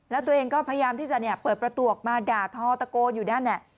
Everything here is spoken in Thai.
แล้วตัวเองก็พยายามที่จะเนี่ยเปิดประตวกมาด่าท่อตะโกนอยู่ด้านเนี่ย